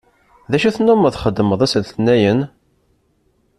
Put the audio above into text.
D acu tennumeḍ txeddmeḍ ass n letnayen?